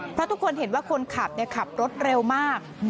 เพราะทุกคนเห็นว่าคนขับขับรถเร็วมาก